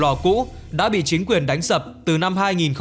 những hầm lò cũ đã bị chính quyền đánh sập từ năm hai nghìn hai mươi hai